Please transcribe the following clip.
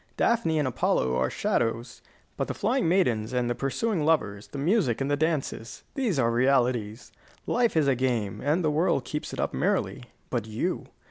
Daphne and Apollo are shadows. But the flying maidens and the pursuing lovers, the music and the dances, these are realities. Life is a game, and the world keeps it up merrily. But you?